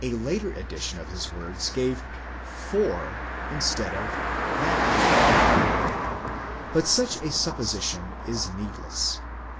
ἃ later edition of his words gave γὰρ (for) instead of ἵνα (that). But such a supposition is needless.